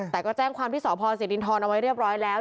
แต่ก็แจ้งความที่สพศิรินทรเอาไว้เรียบร้อยแล้ว